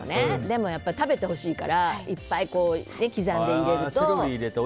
でも、食べてほしいからいっぱい刻んで入れて。